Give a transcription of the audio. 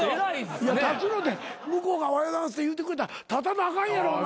いや立つのって向こうがおはようございますって言うてくれたら立たなあかんやろお前。